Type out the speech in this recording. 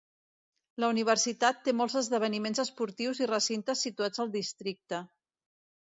La universitat té molts esdeveniments esportius i recintes situats al districte.